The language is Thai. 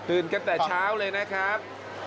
ตื่นกันแต่เช้าเลยนะครับ